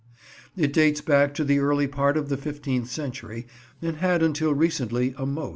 It dates back to the early part of the fifteenth century, and had until recently a moat.